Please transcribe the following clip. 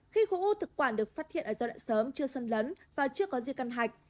khi khu u thực quản được phát hiện ở gia đình sớm chưa sân lấn và chưa có di căn hạch